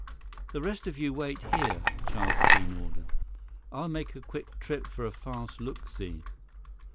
"The rest of you wait here," Charles Keene ordered. "I'll make a quick trip for a fast look see."